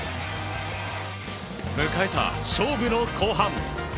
迎えた勝負の後半。